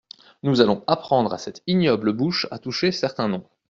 Nous allons apprendre à cette ignoble bouche à toucher certains noms…